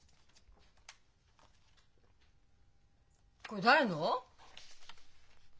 これ誰の？